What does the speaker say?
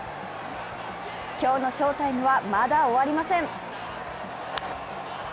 今日の翔タイムは、まだ終わりません。